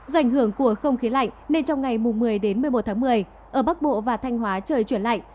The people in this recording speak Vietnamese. do ảnh hưởng của không khí lạnh nên trong ngày một mươi một mươi một tháng một mươi ở bắc bộ và thanh hóa trời chuyển lạnh